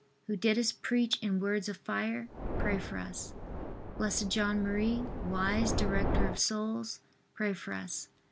who didst preach in words of fire, pray for us. B. J. M., wise director of souls, pray for us.